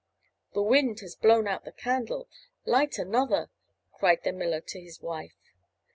"The wind has blown out the candle! Light another!" cried the miller to his wife.